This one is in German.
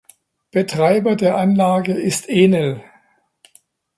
Betreiber der Anlage ist Enel.